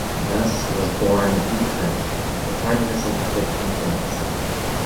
Thus was born Uhtred, the protagonist of the fictional tales.